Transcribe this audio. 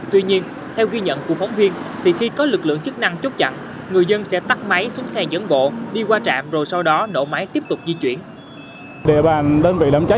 tuy nhiên theo ghi nhận của phóng viên thì khi có lực lượng chức năng chốt chặn người dân sẽ tắt máy xuống xe dẫn bộ đi qua trạm rồi sau đó nổ máy tiếp tục di chuyển